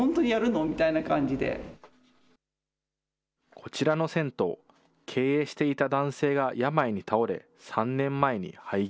こちらの銭湯、経営していた男性が病に倒れ、３年前に廃業。